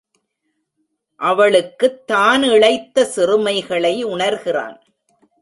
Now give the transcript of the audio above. அவளுக்குத் தான் இழைத்த சிறுமைகளை உணர் கிறான்.